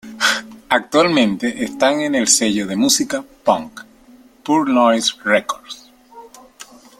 Actualmente están en el sello de música "punk", Pure Noise Records.